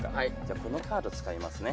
このカード使いますね。